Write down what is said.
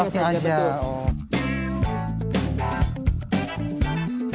atasnya saja betul